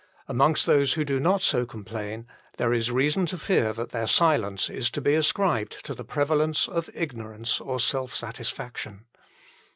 Amongst those who do not so complain, there is reason to fear that their silence is to be ascribed to the prevalence of ignorance or self satisfaction.